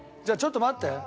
じゃあちょっと待って。